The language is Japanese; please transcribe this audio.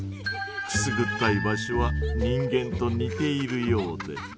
くすぐったい場所は人間と似ているようで。